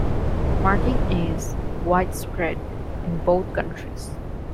Marking is widespread in both countries.